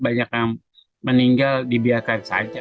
banyak yang meninggal dibiarkan saja